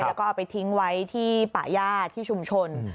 แล้วก็เอาไปทิ้งไว้ที่ป่าย่าที่ชุมชน